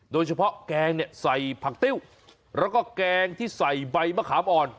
โดยเฉพาะแกงใส่ผักติ้วแล้วก็แกงที่ใส่ใบมะขามอ่อน